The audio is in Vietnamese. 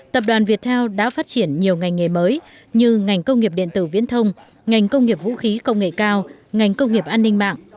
tập đoàn việt theo đã phát triển nhiều ngành nghề mới như ngành công nghiệp điện tử viễn thông ngành công nghiệp vũ khí công nghệ cao ngành công nghiệp an ninh mạng